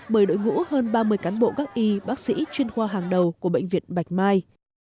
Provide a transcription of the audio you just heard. bởi đội ngũ hơn ba mươi cán bộ các y bác sĩ chuyên khoa hàng đầu của bệnh viện bạch mai